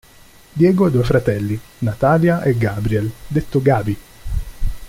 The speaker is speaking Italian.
Diego ha due fratelli: Natalia e Gabriel detto "Gabi.